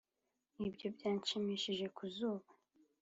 ibyo byanshimishije ku zuba,